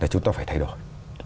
chúng ta phải thay đổi